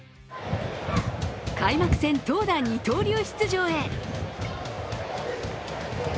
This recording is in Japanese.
開幕戦、投打二刀流出場へ。